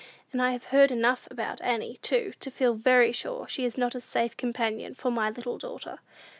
And I have heard enough about Annie, too, to feel very sure she is not a safe companion for my little daughter."